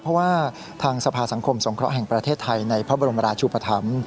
เพราะว่าทางสภาสังคมสงเคราะห์แห่งประเทศไทยในพระบรมราชุปธรรม